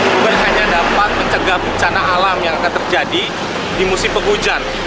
bukan hanya dapat mencegah bencana alam yang akan terjadi di musim penghujan